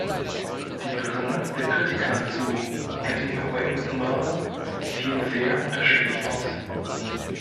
Die Resonanz der Kritiker zu "Getting Away with Murder" fiel sehr unterschiedlich aus.